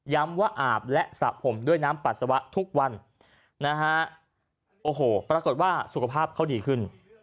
ว่าอาบและสระผมด้วยน้ำปัสสาวะทุกวันนะฮะโอ้โหปรากฏว่าสุขภาพเขาดีขึ้น